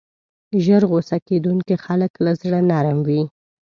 ژر غصه کېدونکي خلک له زړه نرم وي.